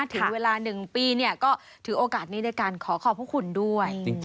ถึงเวลา๑ปีก็ถือโอกาสนี้ในการขอขอบพระคุณด้วย